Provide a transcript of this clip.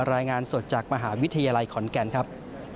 รายงานสดจากมหาวิทยาลัยขอนแก่นครับ